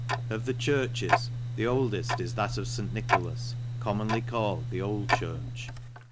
Of the churches, the oldeft is ♦ at of St. Nicholas, commonly called the Old i'urch.